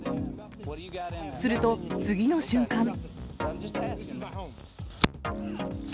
すると、次の瞬間。